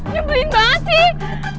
nyembelin banget sih